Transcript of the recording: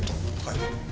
はい。